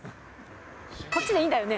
こっちでいいんだよね？